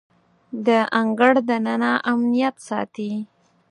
د انګړ دننه امنیت ساتي.